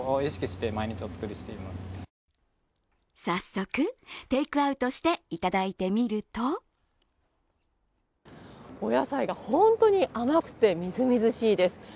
早速、テイクアウトしていただいてみるとお野菜が本当に甘くてみずみずしいです。